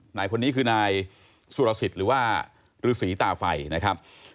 นายคนนี้คือนายสุรสิทธิ์หรือว่าฤษีตาไฟนะครับ